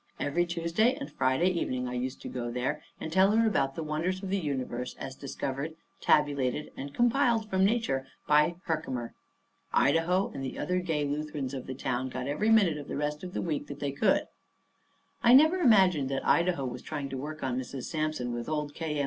Every Tuesday and Friday evening I used to go there and tell her about the wonders of the universe as discovered, tabulated, and compiled from nature by Herkimer. Idaho and the other gay Lutherans of the town got every minute of the rest of the week that they could. I never imagined that Idaho was trying to work on Mrs. Sampson with old K.